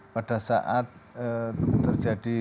pada saat terjadi